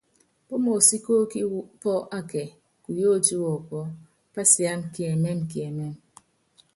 Pémésíkékí pɔ́ akɛ kuyótí wɔpɔ́, pásiáma kiɛmɛ́mɛkiɛmɛ́mɛ.